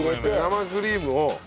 生クリームを。